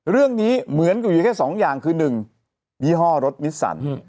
เรื่องนี้เหมือนกับอยู่แค่สองอย่างคือหนึ่งยี่ห้อรถมิสซัน